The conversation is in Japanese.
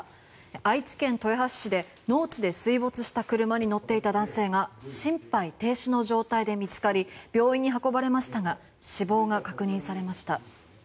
愛知県豊橋市で農地で水没した車に乗っていた男性が心肺停止の状態で見つかり病院に運ばれましたが死亡が確認されました。